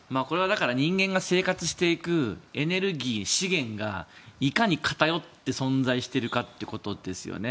人間が生活していくエネルギー、資源がいかに偏って存在しているかということですよね。